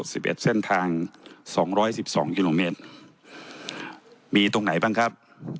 สิบเอ็ดเส้นทางสองร้อยสิบสองกิโลเมตรมีตรงไหนบ้างครับ